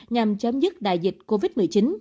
nhằm chấm dứt đại dịch covid một mươi chín